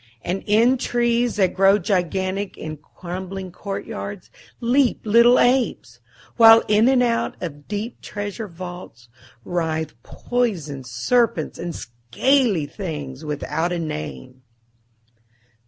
And in trees that grow gigantic in crumbling courtyards leap little apes, while in and out of deep treasure vaults writhe poison serpents and scaly things without a name.